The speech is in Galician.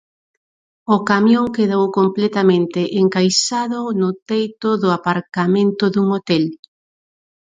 O camión quedou completamente encaixado no teito do aparcamento dun hotel.